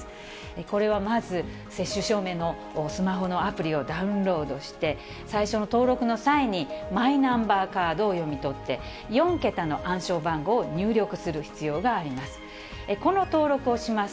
これはまず接種証明のスマホのアプリをダウンロードして最初の登録の際にマイナンバーカードを読み取って、４桁の暗証番号を入力する必要があります。